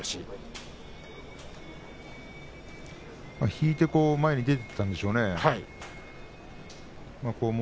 引いて前に出ていったんでしょうね。